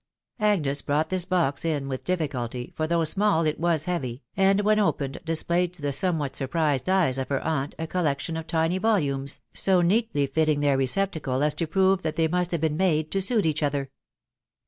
Agnes brought this box in with difficulty, for though small, it was heavy, and when opened displayed to the somewhat sur prised eyes of her aunt a collection of tiny volumes, so neatly fitting their receptacle, as to prove that they must have been made to suit each other.